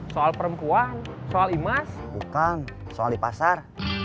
soal perempuan soal imas bukan soal di pasar